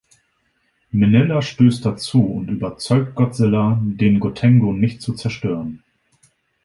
Minilla stößt dazu und überzeugt Godzilla, den Gotengo nicht zu zerstören.